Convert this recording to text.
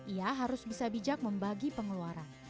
ia harus bisa bijak membagi pengeluaran